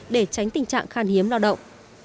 để tránh tình trạng khan hiếm lao động